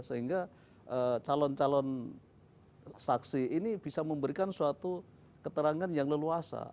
sehingga calon calon saksi ini bisa memberikan suatu keterangan yang leluasa